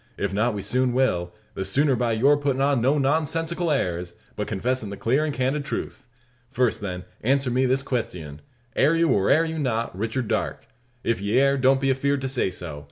If not, we soon will the sooner by your puttin' on no nonsensical airs, but confessin' the clar and candid truth. First, then, answer me this questyun: Air you, or air you not, Richard Darke? If ye air, don't be afeerd to say so.